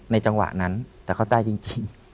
จังหวะนั้นแต่เขาตายจริง